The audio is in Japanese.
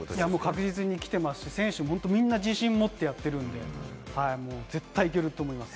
確実に来てますし、選手もみんな自信を持ってやってるんで、絶対いけると思います。